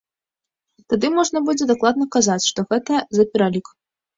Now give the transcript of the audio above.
Тады можна будзе дакладна казаць, што гэта за пералік.